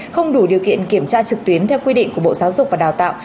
không đủ điều kiện kiểm tra trực tuyến theo quy định của bộ giáo dục và đào tạo